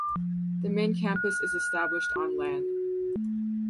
The main campus is established on land.